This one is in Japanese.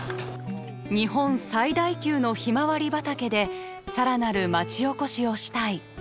日本最大級のひまわり畑でさらなる町おこしをしたい。